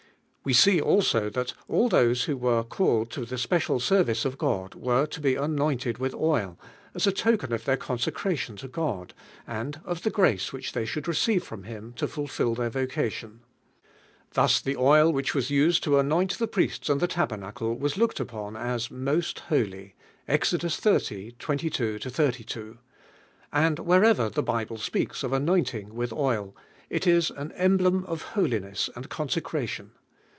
We see also thai all those who were called to tbe special service of God were to be anointed with nil. as a token of their con secration to God, and of the grace which they should receive from ITim to fulfil their vocation. Thus the oil which was used to anoint the priests and the taber nade was looked upon as "nmsl holy" (Exodus xx\'. 22 32), anil wherever the Bible speaks of anointing with oil, it is an emblem of holiness and consecration.